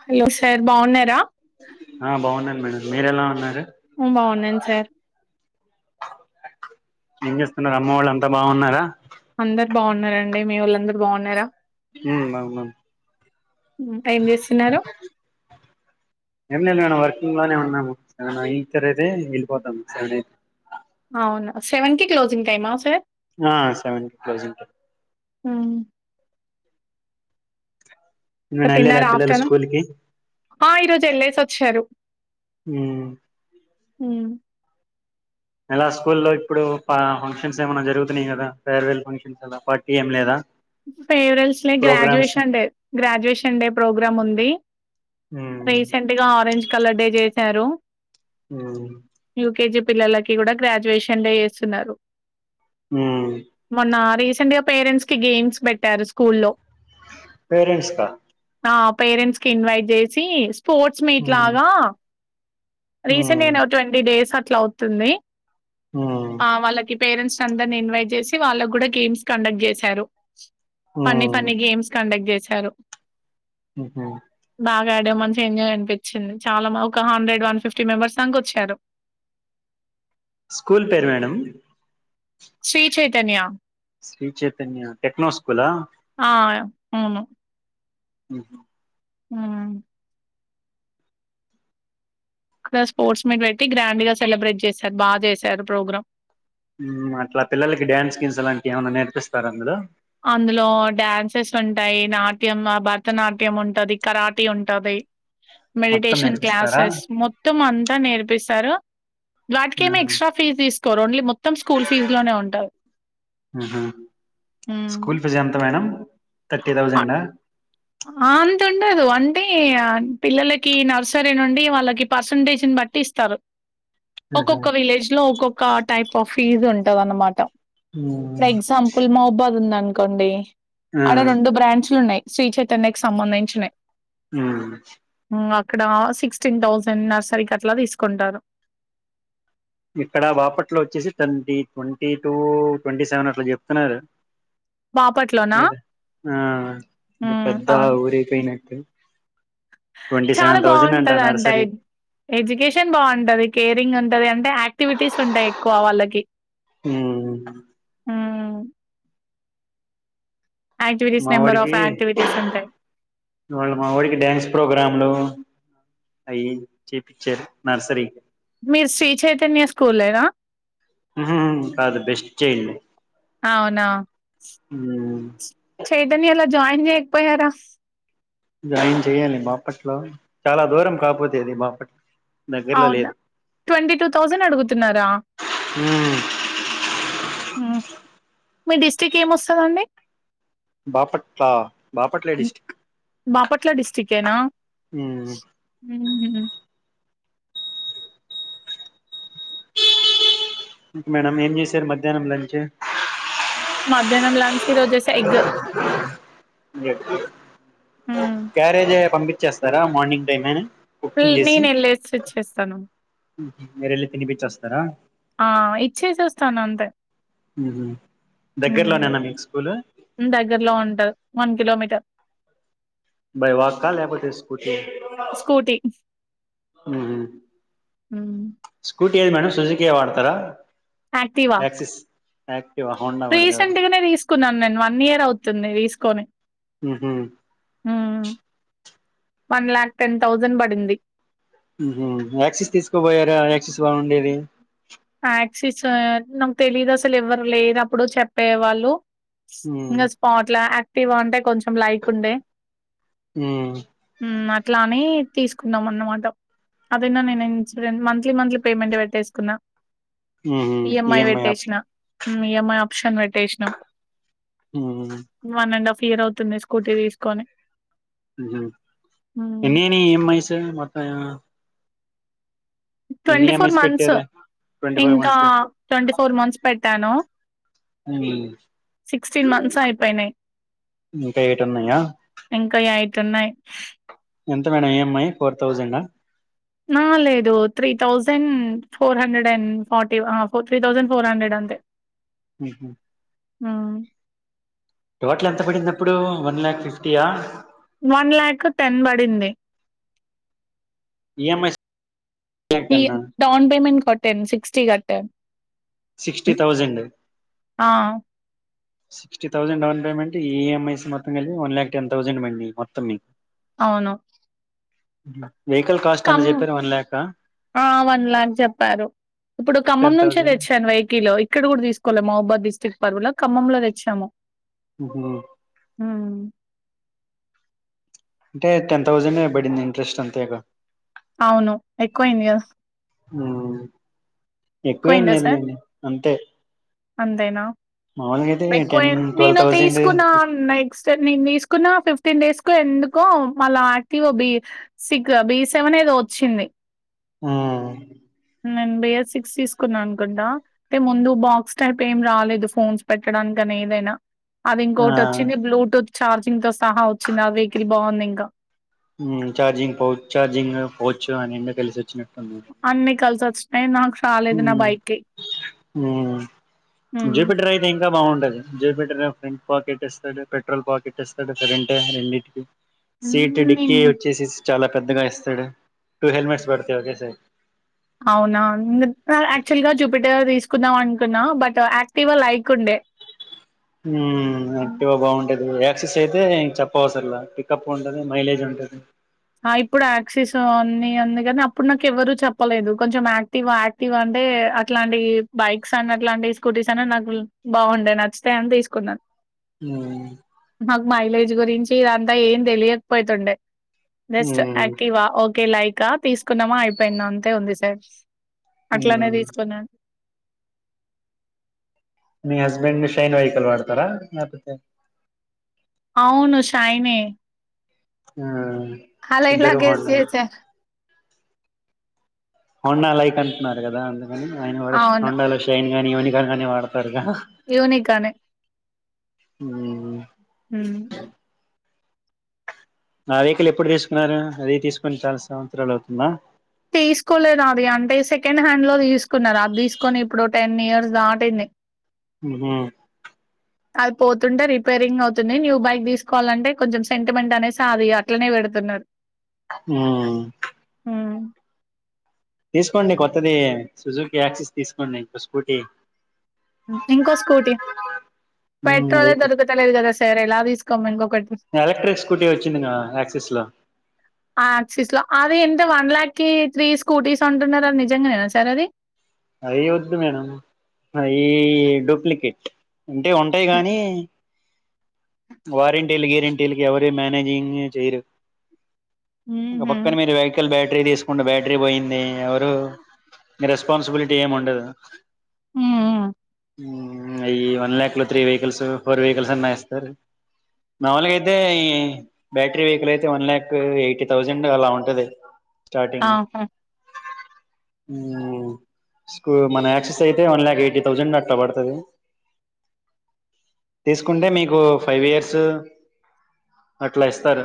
Hello sir బాగున్నారా మీరు ఎలా ఉన్నారు బాగున్నాను సార్ ఏం చేస్తున్నారు అమ్మ వాళ్ళు అంతా బాగున్నారా. అందరు బాగున్నారండి మీవొళ్ళందరు బాగున్నారా, హ్మ్ అవునండి. హ్మ్ ఏం చేస్తున్నారు, ఏం లేదు మేడం వర్కింగ్ లోనే ఉన్నాము సెవెన్ అయితలేది, అయితే వెళ్ళిపోతాము సెవెనైతే అవునా సెవెన్ కి క్లోజింగ్ టైమా సార్, ఆ సెవెన్ కి క్లోజింగ్ టైం ఉమ్, ఇంక నేను వెళ్ళలే తిన్నార. పిల్లలు ఆఫ్టర్నూన్ స్కూల్ కి ఆ ఈరోజు వెళ్ళేసి వచ్చారు. ఉమ్ ఇలా స్కూల్ లో ఇప్పుడు ఆ ఫంక్షన్స్ ఏమన్నా జరుగుతున్నాయి కదా. ఫేర్వెల్ ఫంక్షన్స్ అలా పార్టీ ఏం లేదా. ఫేర్వెల్స్ లే programmes graduation day, graduation day programme ఉంది. ఉమ్ రీసెంట్ గా ఆరెంజ్ కలర్ డే చేశారు, ఆ యూకేజీ పిల్లలకి కూడా గ్రాడ్యుయేషన్ డే చేస్తున్నారు. హ సెంట్గా పేరెంట్స్ కి గేమ్స్ పెట్టారు స్కూల్ల్లో. పేరెంట్స్ కా ఆ పేరెట్స్ కి ఇన్వైట్ చే సి స్పోర్ట్స్ మీట్ ఉమ్ లాగా రీసెంట్ ఉమ్ గానే ఓ ట్వంటీ డేస్ అ ట్లా అవుతుంది. ఉమ్ ఆ వాళ్ళకి పేరెంట్స్ అందరిని ఇన్వైట్ చేసి వాళ్ళకి కూడా గేమ్స్ కండక్ట్ చేశారు. ఫన్నీ ఉమ్ ఫన్నన్ని గేమ్స్ కండక్ట్ చే చ్చారు ఉహ వడో మంచి ఎంజాయ్ అనిపించింది. చాలా ఒక హండ్రెడ్ వన్ ఫిఫ్టీ మెంబర్స్ దాక వచ్చారు. స్కూల్ పేరు మేడం శ్రీచైతన్య శ్రీ చైతన్య టెక్నో స్కూలా ఆను ఉ ఆ ఇక్కడ స్పోర్ట్స్ మీట్ పెట్టి గ్రాండ్గా సెలబ్రేట్ చేస్తారు బాగా చేశారు ప్రోగ్రాం. అట్లా పిల్లలకి డ్యాన్స్ స్ గీన్స్ అలాంటివి ఏమన్నా నేర్పిస్తారు అందు అందులో డ్యాన్సెస్ ఉంటాయి. నాట్యం, భరతనాట్యం ఉంటంది కరాటీ ఉంటది. మొత్తం మెడిటేషన్ నేర్పిస్తారా క్లాసెస్ మొత్తం అంతా నేర్పిస్తారు. వాటిక ఏమో ఎక్స్ట్రా ఆహా ఫీజ్ తీసుకోరు ఓన్లీ మొత్తం స్కూల్ ఫీజు లోనే ఉంటుంది స్కూల్ ప జాంతమ్యా ర్ తౌసండ్ అంతండదు అంటే పిల్లలకి నర్సరీ నుండి వాళ్ళకి పర్సంటేజ్ని బట్టి ఇస్తారు ఆహా ఒక్కొక్క విలేజ్ లో ఒక్కొక్క టైప్ ఫీజు ఉంటద అన్నమాట ఆ ఫర్ ఎగ్జాంపుల్ మహబాద్ ఉందాం కోండి ఆడ రెండు బ్రాంచలు ఉన్నాయి శ్రీ చె తెకి సంబంధించిన అ అక్కడ సిక్స్టీన్ థౌసండ్ నర్సరీ క అట్లా తీసుకుంటారు ఇక్కడ బాపట్లో వచ్చేసి twenty twenty to twenty seven అట్లా చెప్తున్నారు బపట్లోనా ఏద ఆ ఇది పెద్ద అవును ఊరైపోయినట్టు ట్వంటీ చాలా సెవెన్ థౌజండ్ బాగుంటంది అంట నర్సరీ ఎడ్యుకేషన్ బాగుంటది కేరింగ్ ఉంటంది అే ంటే యాక్టివిటీస్ ఉంటాయి ఎక్కువ వాళ్ళకి హ హ్మ్. యాక్టివిటీస్ నంబర్ ఆఫ్ మావడికి యాక్టివిటీస్ ఉంటాయి. వావాళ మావిడికి డ్యాన్స్ ప్రోగ్రాంలు అయయి్య పచర్ నర్సర మీరు స్్రీ చైతన్య కలేనా కాదు బెస్ట్ చేయడి అవునా చెైదని అలా జాయిన్ చేయకపోయారా జాయిన్ చెయ్యాలి మాపట్లో చాలా దూరం కపోతే అది మా అప్పట్లో అవునా ట్వంటీ టూ తౌసండ్ అడుగుతున్నారా ఉహ్ ఉమ్ మీ డిస్టిక్ ఏం వస్తాడండి బాపట్ల బాపట్ల డిస్టిక్ బాపట్ల డిస్టికేనా ఉమ్ మేడం ఏం చేసారు మధ్యానం లంచ్ మధ్యానం లించ్ హ్మ్. క్యారేజ్ పంపి వచ్చేస్తారా మార్నింగ్ టైం ఎ పై నేనే లేచి చేస్తాను మీరెళ్ళి తినిపించొస్తారా ఆ ఇచ్చేసొస్తాను అంతె ఉహు హ్ దగ్గరలోనేనా మీకు స్కూల్ దగ్గరలో ఉంటా వన్ కిలోమీటర్ బై వాకా లేకపోతే స్కూటీ స్కూటీ హా హ్మ్. స్కూ కేది మేడం సుజుకి ఎ వాడతార ఆక్టివ ఎ ఇవ హోండవాడిదా కున్నాను నేను వన్ ఇయర్ అవుతుంది తీసుకోని ఉహు వన్ లాక్ టెన్ తౌసండ్ పడింది ఆ ఆక్సిస్ తీసుకోపోయారా ఆక్సిస్ బాగుండేది ఆక్సిస్ ఆహ్ నాకు తెలీదు అసలు ఎవరు లేరు అప్పుడు చెప్పేవాళ్ళు ఉమ్ ఇంగ స్పాట్లో ఆక్ టివ అంటే కొంచెం లైక్ ఉండే ఊ ఉమ్ అట్లాఅని తీసుకున్నాం అనమాట అదైనా నేను ఇన్సూరె మంత్లీ మంత్లీ పేమెంట్ పెట్టేసుకున్నా ఉహూ ఇఎంఐ ఆప్ష ఉమ్ ఈఎంఐ ఆప్షన్ పెట్టేసినం ఊ ఇయర్ అవుతుంది స్కూటీ తీసుకొని ఉహు హ్మ్. ఎన్నయినయ్ ఈఏంఐస్ మొత్తం ఎన్ని ట్వంటీ ఫోర్ ఈఎంఐస్ మంత్స్ పెట్టారు ట్వంటీ ఫోర్ ఇంకా మంత్స్ పెట్టారు ట్వంటీ ఫోర్ మంత్స్ పె తను ఉహు అయిపోయినాయి. ఇంకా యైట్ ఉన్నాయా టు న్నయి ఎంత మేడం ఈఎంఐ ఫోర్ థౌజండ్ ఆ హా లేదు three thousand four hundred and forty three thousand four hundred అంతే ఉహు ఆ టోటల్ ఎంత పడిందప్పుడు వన్ లాక్ ఫిఫ్టీయా వన్ ల్యాక్ టెన్ పడింది ఈఎంఐస్ ఈ టెన్ డౌన్ పేమెంట్ కట్టాను సిక్స్టీ క ట్టె సిక్స్టీ థౌసెండ్ ఆ! Sixty thousand down payment EMIs మొత్తమ్ కలిపి వన్ లాక్ టెన్ థౌసండ్ బడినయి మొత్తం మీకు అవును గిల్ల కమ్ ఆ వన్ ల్యాక్ చెప్పారు ఇప్పుడు ఖమ్మం టెన్ నుంచే థౌజండ్ తెచ్చాను వై కీళ్లు ఇక్కడ కూడా తీసుకోవలేి మహుబాద్ డిస్టిక్ట్ పరువలో ఖమ్మంలో తెచ్చాము ఆ అంటే టెన్ థౌసెండ్ ఏమో పడింది ఇంట్రెస్ట్ అంతే గా అవును ఎక్కువైందిగద ఎక్కువ ఏం ఎక్కువయిందా సార్ లేదులేండి అంతే అంతేనా మాములుగా అయితే ఎక్కువ టెన్ ట్వెల్వ్ ఎంనేను థౌజండ్ తీసుకున్న నెక్స్ట్ నేను తీసుకున్న ఫిఫ్టీన్ డేస్ కు ఎందుకో మళ్ళ active B six B seven ఏదో వచ్చింది మ్మ్ నేను బే సిక్స్ తీసుకున్నా అనుకుంటా అంటే ముందు బాక్స్ టైప్ ఏం రాలేదు ఫోన్స్ పెట్టడానికైన ఏదైనా అది ఆ ఇంకొటి వచ్చింది బ్లూటూత్ ఛార్జింగ్ తో సహా వచ్చింది ఆ వెహికిల్ బాగుంది ఇంకా మ్మ్ చార్జింగ్ పో చార్జింగ్ పౌచ్ అన్ని కలిసి వచ్చినట్ అన్ని కల్ సోచ్ స్ప్రే నాక్ మ్మ్ మ్మ్ ఉమ్. జూపిట్ర అయితే ఇంకా బాగుంట్ తరు జూపిటర్ ఫ్రంట్ పాకెట్ ఇస్తాడు పెట్రోల్ పాకెట్ ఇస్తాడు సరెంటే రెండింటికి సీట్ ఉమ్, డిక్కి నేను వచ్చేసేసి చాలా పెద్దగా ఇస్తాడు టూ హెల్మెట్స్ పెడతాయి ఓకే సారీ అవునా కా యాక్చువల్ గా జూపిటర్ తీసుకుందాం అనుకున్నా బట్ ఆక్టివా లైక్ ఉండే మ్మ్ ఆక్టివా బాగుంటా ఇప్పుడు యాక్సెస్ అయితే చెప్ప అసరలా పికప్ ఉంటది మైలేజ్ ఉంటది ఆ ఇప్పుడు ఆక్సిస్ ఉంది కానీ అప్పుడు నాకు ఎవ్వరూ చెప్పలేదు కొంచెం ఆక్టివా ఆక్టివా అంటే అట్లాంటి బైక్స్ అని అట్లాంటి స్కూటీస్ అని నాకు బాగుండే నచ్చితాయి అని తీసుకున్నాను. ఉమ్ మాక్ మైలేజ్ ది గురించి ఇదంతా ఏం తెలియకపోతుండే జస్టు ఉమ్ ఆక్టివా ఓే కె లైకా తీసుకున్నామా అయిపోయింద అంతే ఉంది సార్ అట్లానే ఉమ్ తీసుకున్నాను మీ హస్బెండ్ షైన్ వెహికల్ వాడతారా లేకపోతే అవును శైనే మ్మ్ హ అల ఎలా గేస్ చేస్ హోండా లైక్ అంటున్నారు కదా అ అని ఆయన వాడే అవును హోండా లో షైన్ కానీవనికలు కానీ వాడతారుగా యూనిగానే ఉ నా వెహికల్ ఎప్పుడు తీసుకున్నారు అది తీసుకుొని చాలా సంవత్సరాలు అవుతుంద తీసుకోలేదు అది అంటే సెకండ్ హ్యాండ్ లో తీసుకున్నారు అది తీసుకొని ఇప్పుడు టెన్ ఇయర్స్ దాటింది హ అది పోతుంటే రిపేరింగ్ అవుతుంది న్యూ బైక్ తీసుకోవాలంటే కొంచెం సెంటిమెంట్ అనేది సాధ అట్లనే పెడుతున్నారు ఆ హ్మ్. తీసుకోండి కొత్తది సుజుకి యాక్సిస్ తీసుకోండి ఇంకో స్కూటీ ఇంకో స్కూటీ ఉమ్ పెట్రోలే దొరకతలేదు కదా సర ఎలా తీసుకో మ ఎలక్ట్రక్ స్కూటీ వచ్చిందింగ ఆక్సిస్ లో ఆ యాక్సిస్ లో అది ఎంత వన్ ల్యాక్ కి త్రీ స్కూటీస్ ఉంటున్నారుార నిజంగానేేనా సార్ అది అయి వద్దు మేడం అయ డూప్లికేట్ ఉంటే ఉంటాయి హుహు. గాని వారింటిలుగి రంటికిరు మనేేజింగ్ చేయరు బక్కన హ్మ్. మ వెహికల్ బెఠ బ్యాటరీ తీసుకుంటే బ్యాటరీ పోయింది నిరస్ రెస్పాన్సిబిలిటీ ఏమి ఉండదు ఆ అయ్యి వన్ ల్యాక్ లో త్రీ వెహికల్స్ ఫోర్ వెహికల్స్ అన్నా ఇేస్తారు మామూలుగా అయితే ఈ బ్యాటరీ వెహికల్ అయితే వన్ ల్యాక్ ఎయిటీ థౌజండ్ అలా ఉంటది స్టార్టింగ్ ఆహా! కు మన యాక్సెస్ అయితే వన్ లలాక్ ఎయిటీ థౌజండ్ అట్లా పడుతుంది తీసుకుంటే మీకు ఫైవ్ ఇయర్స్ అట్లా ఇస్తారు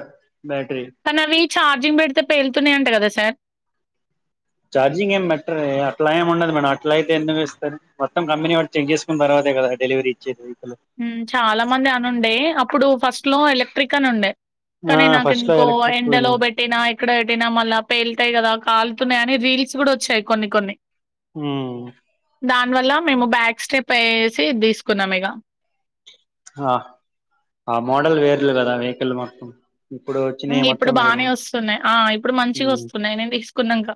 బ్యాటరీ కాని అవి ఛార్జింగ్ పెడితే పేలుతున్నాయంట కద సార్ చార్జింగ్ ఏం బెట్టరే అట్లా ఏమి ఉండదు మేడం అట్ల అయితే ఎందుకు ఇస్తారు మొత్తం కంపెనీ వాడు చెక్ చేసుకున్న తర్వాతే కదా డెలివరీ ఇచ్చేది వెహికల్ హు చాలా మంది అనుండే ఇప్పుడు ఫస్ట్ లో ఎలక్ట్రిక్ అని ఉండే ఆ కానీ నాకు ఫస్ట్ లో ఎందుకో ఎలక్ట్రిక్ ఎండలో పెట్టినా ఎక్కడ పెట్టినా మళ్ళా పేలుతాయి కదా కాలుతున్నాయి అని రీల్స్ కూడా వచ్చాయి కొన్ని కొన్ని ఊ దాని వల్ల మేము బ్యాక్ స్టెప్ వేసి ఇది తీసుకున్నాం ఇక ఆ ఆ మోడల్ వేరే లేదా వెహికల్ మొత్తం ఇప్పుడు వచ్చినయి హ్మ్. ఇప్పుడు మొత్తం వేరు బానే ఒస్తున్నాయి. ఆ! ఇప్పుడు హూ మంచిగొస్తున్నాయి నేను దీసుకున్నంక.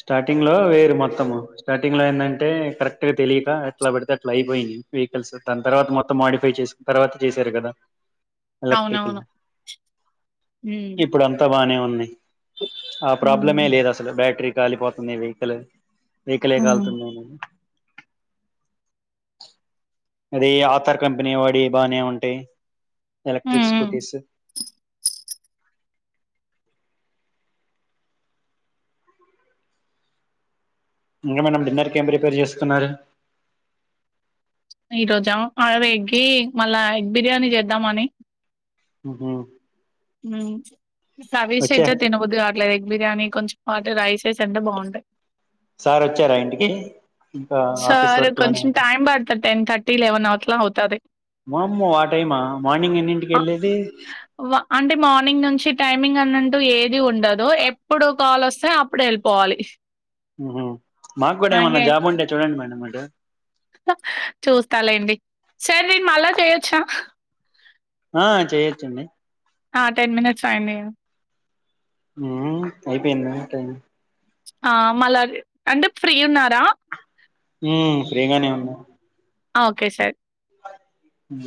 స్టార్టింగ్ లో వేరు మొత్తము స్టార్టింగ్ లో ఏంటంటే అంటే కరెక్ట్గా తెయక ఎట్లా పడితే అట్లా అయిపోయింది వెహికల్స్ దాని తర్వాత మొత్తం మాడిఫై చేసి తర్వాత చేశారు కదా ఎలక్ట్రికల్ అవునవును. హ్మ్. ఇప్పుడు అంతా బానే ఉంది రె ఆ ప్రాబ్లమే హ్మ్. లేదు అసలు బ్యాటరీ కాలిపోతున్నాయి వెహికల్ వెహికిలే హ్మ్. కాల్తుంది అని అది ఆథర్ కంపెనీ వాడివి బానే ఉంటయి హ్మ్. ఎలక్ట్రిక్ హ్మ్. స్కూటీస్ ఇంకా మేడం డిన్నర్కి ఏం ప్రిపేర్ చేస్తున్నారు ఈ రోజా ఆ ఎగ్గి మళ్ళా ఎగ్ బిర్యానీ చేద్దామని ఉహూ ఊ సవి [unintelligible] తినబుద్దిగాట్లేదు ఎగ్ బిర్యానీ కొంచెం వాటి రైసెస్ అంటే బాగుంటయి సార్ వచ్చారా ఇంటికి ఇంకా ఆఫీస్ సార్ వర్క్ లోనే కొంచెం టైం బడతది అట్లా అవుతది. వామ్మో ఆ టైమా మార్నింగ్ ఎన్నింటికి అ వెళ్ళేది వ అంటే మార్నింగ్ నుంచి టైమింగ్ అన్నన్ట్టు ఏది ఉండదు ఎప్పుడు కాల్ వస్తే అప్పుడు వెళ్ళిపోవాలి ఉహూ మాకు కూడా ఏమన్న జాబ్ ఉంటే చూడండి మేడం అటు చూస్తా లేండి సర్ నేను మళ్ళా చేయొచ్చా ఆ చేయొచ్చండి ఆ టెన్ మినిట్స్ అయింది కదా హుమ్ అయిపోయింద టెన్ ఆ మళ్ళ అం అంటే ఫ్రీ ఉన్నారా ఊ ఫ్రీగనే ఉన్నా ఆ ఓకే సర్ ఉమ్